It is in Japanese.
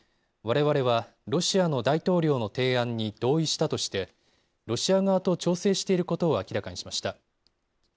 われわれはロシアの大統領の提案に同意したとして、ロシア側と調整していることを明らかにしました。